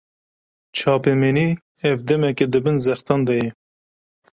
Çapemenî, ev demeke di bin zextan de ye